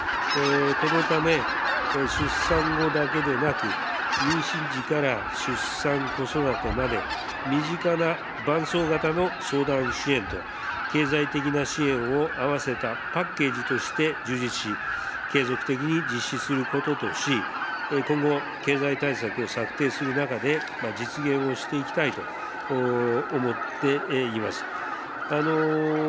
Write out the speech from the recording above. このため、出産後だけでなく、妊娠時から出産、子育てまで、身近な伴走型の相談支援と、経済的な支援をあわせたパッケージとして充実し、継続的に実施することとし、今後、経済対策を策定する中で、実現をしていきたいと思っています。